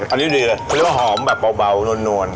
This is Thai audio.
อันนี้ดีเลยเขาเรียกว่าหอมแบบเบานวล